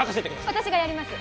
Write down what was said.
私がやります